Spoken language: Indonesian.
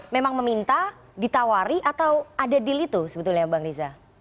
memang meminta ditawari atau ada deal itu sebetulnya bang riza